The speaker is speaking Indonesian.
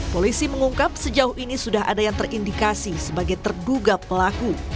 polisi mengungkap sejauh ini sudah ada yang terindikasi sebagai terduga pelaku